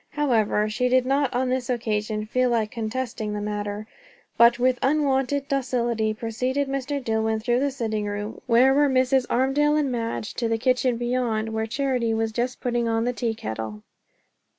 However, she did not on this occasion feel like contesting the matter; but with unwonted docility preceded Mr. Dillwyn through the sitting room, where were Mrs. Armadale and Madge, to the kitchen beyond, where Charity was just putting on the tea kettle.